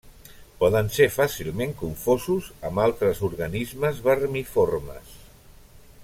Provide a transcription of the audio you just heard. Poden ser fàcilment confosos amb altres organismes vermiformes.